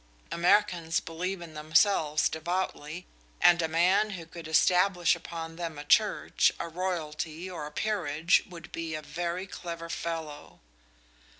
Americans believe in themselves devoutly, and a man who could "establish" upon them a church, a royalty, or a peerage, would be a very clever fellow.